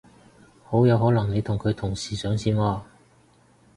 好有可能你同佢同時上線喎